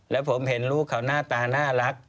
แล้วผมเห็นลูกเขาหน้าตาน่ารัก